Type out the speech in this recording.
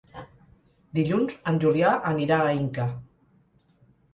Dilluns en Julià anirà a Inca.